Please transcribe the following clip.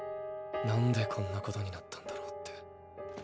何でこんなことになったんだろうって。